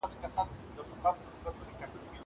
زه هره ورځ ځواب ليکم!!